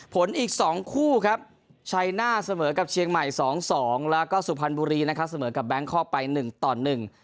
อีกสองคู่ครับชัยหน้าเสมอกับเชียงใหม่สองสองแล้วก็สุพรรณบุรีนะครับเสมอกับแบงคอกไปหนึ่งต่อหนึ่ง